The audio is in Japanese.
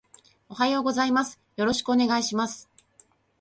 おはようございます。よろしくお願いします